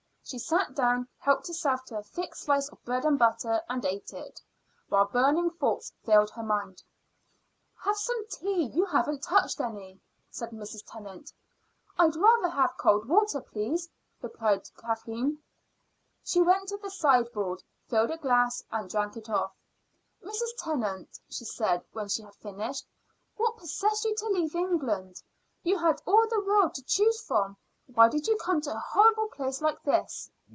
She sat down, helped herself to a thick slice of bread and butter, and ate it, while burning thoughts filled her mind. "Have some tea. You haven't touched any," said Mrs. Tennant. "I'd rather have cold water, please," Kathleen replied. She went to the sideboard, filled a glass, and drank it off. "Mrs. Tennant," she said when she had finished, "what possessed you to live in England? You had all the world to choose from. Why did you come to a horrible place like this?"